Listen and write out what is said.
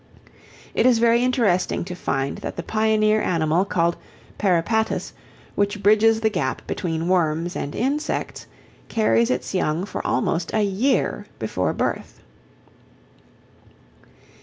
It is very interesting to find that the pioneer animal called Peripatus, which bridges the gap between worms and insects, carries its young for almost a year before birth.